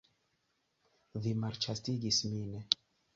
Vi malĉastigis min!